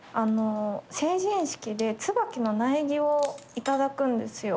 成人式でつばきの苗木を頂くんですよ。